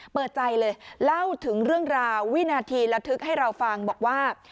เปิดใจเลยเล่าถึงเรื่องราววินาทีระทึกให้เราฟังบอกว่า